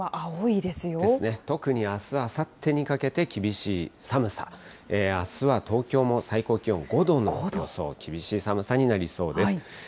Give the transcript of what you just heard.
特にあす、あさってにかけて厳しい寒さ、あすは東京も最高気温５度の予想、厳しい寒さになりそうです。